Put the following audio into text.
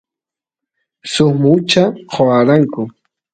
suk mucha qoanku